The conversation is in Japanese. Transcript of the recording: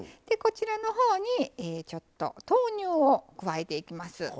でこちらの方にちょっと豆乳を加えていきます。